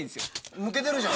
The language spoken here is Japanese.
むけてるじゃん。